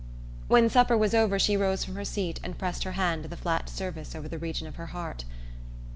When supper was over she rose from her seat and pressed her hand to the flat surface over the region of her heart.